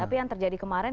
tapi yang terjadi kemarin